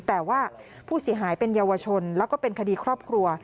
แต่ว่าผู้เสียหายเป็นเยาวชนแล้วก็เป็นคดีครอบครัว